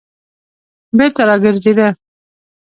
بېرته راگرځېده.